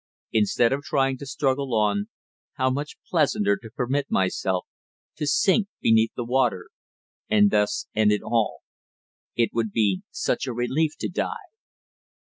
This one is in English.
Instead of trying to struggle on, how much pleasanter to permit myself to sink beneath the water and thus end it all! It would be such a relief to die.